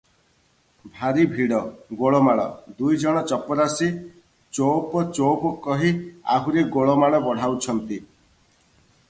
ଭାରି ଭିଡ଼, ଗୋଳମାଳ, ଦୁଇଜଣ ଚପରାଶି ଚୋଓପ ଚୋ-ଓ-ପ କହି ଆହୁରି ଗୋଳମାଳ ବଢ଼ାଉଛନ୍ତି ।